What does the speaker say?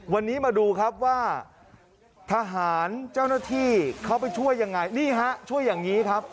วันนี้มาดูครับว่าทหารเจ้าหน้าที่เขาไปช่วยยังไงนี่ฮะช่วยอย่างนี้ครับ